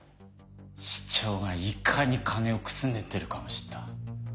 市長がいかに金をくすねてるかも知った。